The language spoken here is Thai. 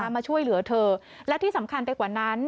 มาช่วยเหลือเธอและที่สำคัญไปกว่านั้น